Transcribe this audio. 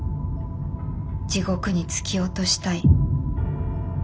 「地獄に突き落としたい」。